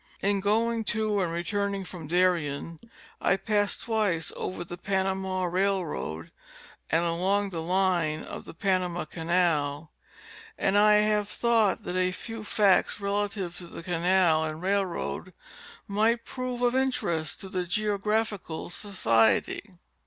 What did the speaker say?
In going to and returning from Darien, I passed twice over the Panama railroad and along the line of the Panama canal, and I have thought that a few facts relative to the canal and railroad might prove of interest to the Geographical Society, 23 310 National Geographic Magazine.